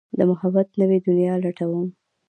د محبت نوې دنيا لټوم